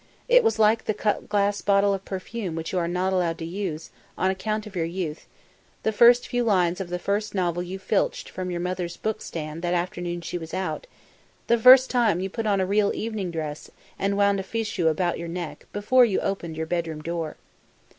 It was like the cut glass bottle of perfume which you are not allowed to use, on account of your youth; the first few lines of the first novel you filched from your mother's book stand that afternoon she was out; the first time you put on a real evening dress and wound a fichu about your neck before you opened your bedroom door.